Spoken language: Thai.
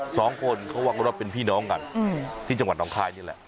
สองคนเขาว่ากันว่าเป็นพี่น้องกันที่จังหวัดน้องคายนี่แหละ